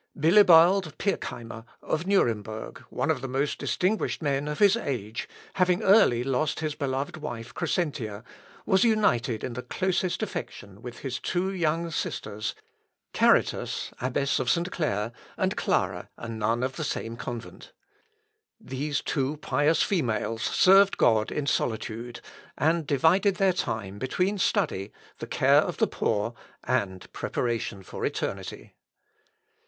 Bilibald Pirckheimer, of Nuremberg, one of the most distinguished men of his age, having early lost his beloved wife Crescentia, was united in the closest affection with his two young sisters, Charitas, abbess of St. Clair, and Clara, a nun of the same convent. These two pious females served God in solitude, and divided their time between study, the care of the poor, and preparation for eternity.